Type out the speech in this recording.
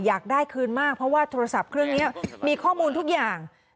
อยากได้คืนมากเพราะว่าโทรศัพท์เครื่องนี้มีข้อมูลทุกอย่าง